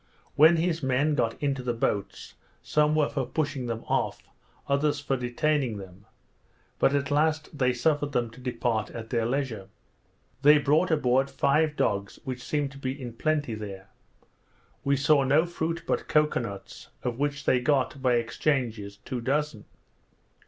When his men got into the boats, some were for pushing them off, others for detaining them; but at last they suffered them to depart at their leisure. They brought aboard five dogs, which seemed to be in plenty there. They saw no fruit but cocoa nuts, of which, they got, by exchanges, two dozen.